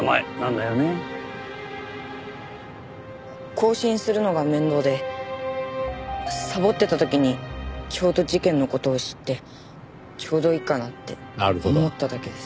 更新するのが面倒でサボってた時にちょうど事件の事を知ってちょうどいいかなって思っただけです。